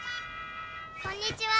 「こんにちは」